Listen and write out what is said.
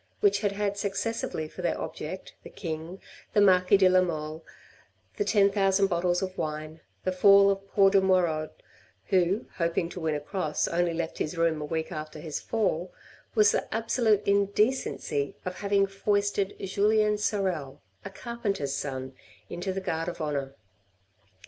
which had had successively for their object the king, the Marquis de la Mole, the ten thousand bottles of wine, the fall of poor de Moirod, who, hoping to win a cross, only left his room a week after his fall, was the absolute in decency of having foisted Julien Sorel, a carpenter's son, into the Guard of Honour.